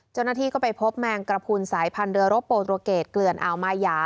เจ้าหน้าที่ก็ไปพบแมงกระพุนสายพันธเรือรบโปรโตเกตเกลือนอ่าวมายา